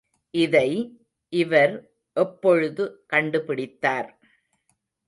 இதை இவர் எப்பொழுது கண்டுபிடித்தார்.